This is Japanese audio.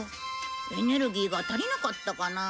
エネルギーが足りなかったかなあ。